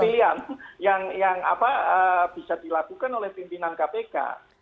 pilihan yang bisa dilakukan oleh pimpinan kpk